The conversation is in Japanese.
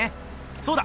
そうだ！